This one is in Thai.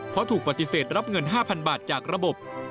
เพราะถูกปฏิเสธรับเงิน๕๐๐๐บาทจากระบบ